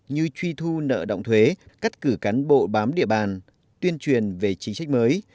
như truy thu nợ động thuế cắt cử cán bộ bám địa bàn tuyên truyền về chính sách mới